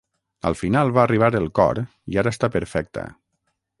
Al final va arribar el cor i ara està perfecta.